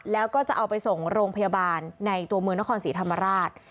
แล้วก็จะเอาไปส่งโรงพยาบาลในตัวเมืองนครศรีธรรมราช